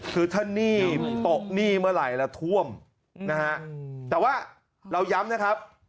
คือถ้าหนี้ตกหนี้เมื่อไหร่แล้วท่วมนะฮะแต่ว่าเราย้ำนะครับ